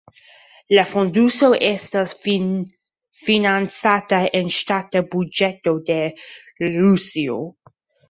La fonduso estas financata el ŝtata buĝeto de Rusio.